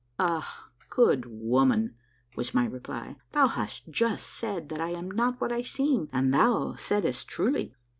" Ah, good woman," was my reply, " thou hast just said that I am not what I seem, and thou saidst truly.